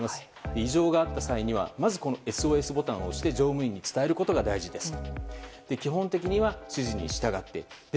異常があった際にはＳＯＳボタンを押して乗務員に伝えることが大事です。